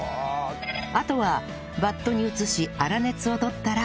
あとはバットに移し粗熱をとったら